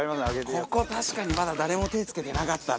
ここ確かにまだ誰も手ぇ付けてなかったな。